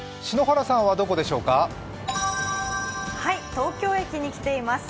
東京駅に来ています。